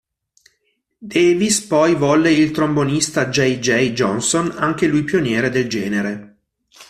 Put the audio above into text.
Davis poi volle il trombonista J. J. Johnson, anche lui pioniere del genere.